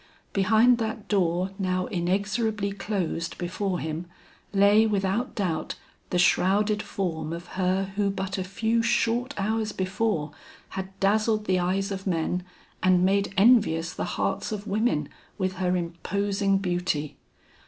Behind that door now inexorably closed before him, lay without doubt the shrouded form of her who but a few short hours before, had dazzled the eyes of men and made envious the hearts of women with her imposing beauty!